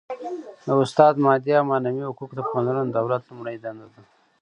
د استاد مادي او معنوي حقوقو ته پاملرنه د دولت لومړنۍ دنده ده.